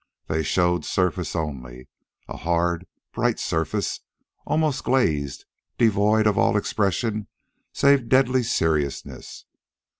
They showed surface only a hard, bright surface, almost glazed, devoid of all expression save deadly seriousness.